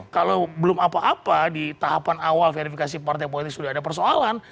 kalau belum apa apa di tahapan awal verifikasi partai politik sudah ada persoalan